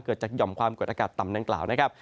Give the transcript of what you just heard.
เกิดจากหย่อมความกดอากาศต่ำดังกล่าวนะครับ